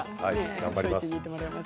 頑張ります。